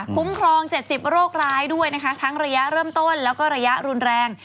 คุ้มครอง๗๐โรคร้ายด้วยนะคะทั้งระยะเริ่มต้นแล้วก็ระยะรุนแรง